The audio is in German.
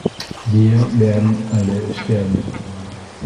Wir werden alle sterben!